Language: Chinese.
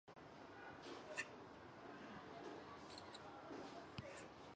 当然是我们的一分子